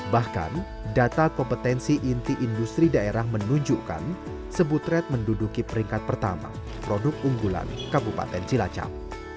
bahkan data kompetensi inti industri daerah menunjukkan sebutret menduduki peringkat pertama produk unggulan kabupaten cilacap